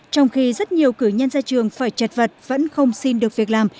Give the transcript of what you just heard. trong khi rất nhiều cử nhân ra trường phải chật vật vẫn không xin được việc làm